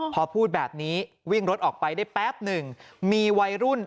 พอพูดแบบนี้วิ่งรถออกไปได้แป๊บหนึ่งมีวัยรุ่น